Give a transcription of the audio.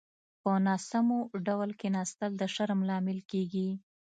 په ناسمو ډول کيناستل د شرم لامل کېږي.